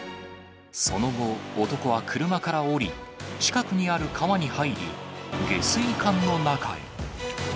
その後、男は車から降り、近くにある川に入り、下水管の中へ。